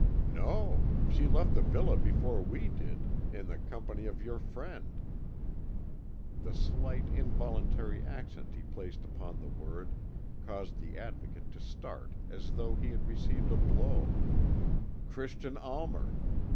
"No. She left the villa before we did, in the company of your friend" the slight involuntary accent he placed upon the word caused the Advocate to start as though he had received a blow "Christian Almer.